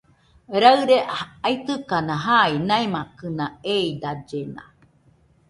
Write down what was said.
Raɨre aisɨkana jai, naimakɨna eidallena.